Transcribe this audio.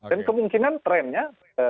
dan kemungkinan trennya